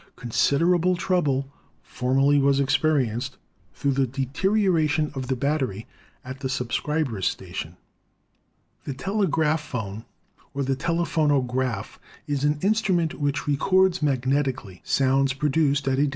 Consider able trouble formerly was experienced through the de terioration of the battery at the subscriber's station. The telegraphone or telephonograph is an instrument which records magnetically sounds produced at a distance ^Quesc/r/ee/i* xep/ioduciho MAGN£rs Fig.